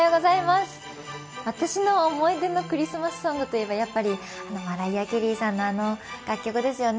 私の思い出のクリスマスソングといえばマライア・キャリーさんの名曲ですよね。